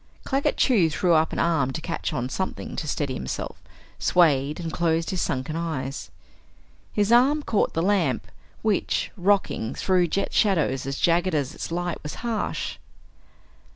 Claggett Chew threw up an arm to catch on something to steady himself, swayed and closed his sunken eyes. His arm caught the lamp, which, rocking, threw jet shadows as jagged as its light was harsh.